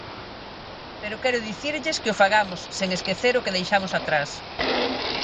Pero quero dicirlles que o fagamos sen esquecer o que deixamos atrás.